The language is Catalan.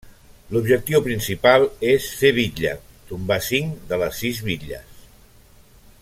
L'objectiu principal és fer Bitlla, tombar cinc de les sis bitlles.